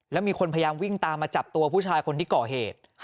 แล้วมีคนพยายามวิ่งตามมาจับตัวผู้ชายคนที่ก่อเหตุ